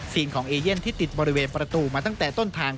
ของเอเย่นที่ติดบริเวณประตูมาตั้งแต่ต้นทาง